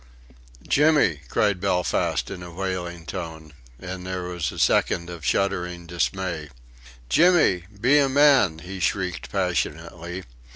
"Jimmy!" cried Belfast in a wailing tone, and there was a second of shuddering dismay. "Jimmy, be a man!" he shrieked, passionately.